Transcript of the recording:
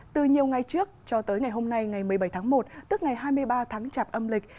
từ nhiều ngày trước cho tới ngày hôm nay ngày một mươi bảy tháng một tức ngày hai mươi ba tháng chạp âm lịch